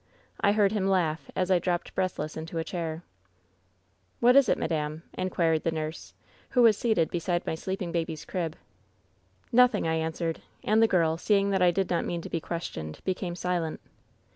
I heard him laugh as I dropped breathless into a chair. 196 WHEN SHADOWS DEE *What is it, madame V inquired the nurse, who wa» seated beside my sleeping baby's crib. " ^Nothing/ I answered. And the girl, seeing that I did not mean to be questioned, became silent.